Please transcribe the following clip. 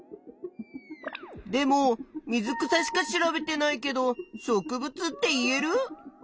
でも水草しか調べてないけど植物って言える？